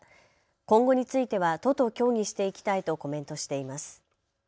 今後については都と協議していきたいとコメントしています。